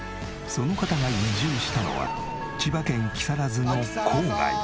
その方が移住したのは千葉県木更津の郊外。